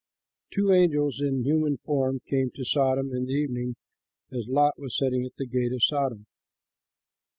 Two angels in human form came to Sodom in the evening, as Lot was sitting at the gate of Sodom.